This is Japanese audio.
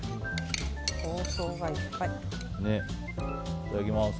いただきます。